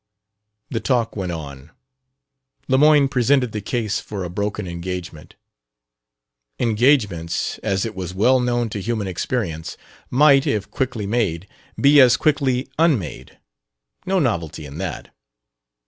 The talk went on. Lemoyne presented the case for a broken engagement. Engagements, as it was well known to human experience, might, if quickly made, be as quickly unmade: no novelty in that.